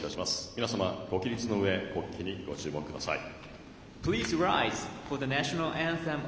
皆さん、ご起立のうえ国旗にご注目ください。